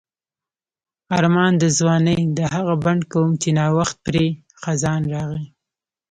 آرمان د ځوانۍ د هغه بڼ کوم چې نا وخت پرې خزان راغی.